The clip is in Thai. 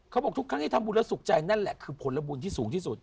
เขาบอกทุกครั้งที่ทำบุญแล้วสุขใจนั่นแหละคือผลบุญที่สูงที่สุด